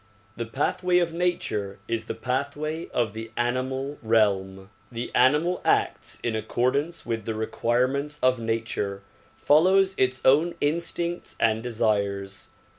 The pathway of nature is the pathway of the animal realm. The animal acts in accordance with the requirements of nature, follows its own in stincts and desires.